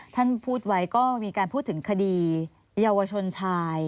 ท่านพูดไว้ก็มีการพูดถึงคดีเยาวชนชาย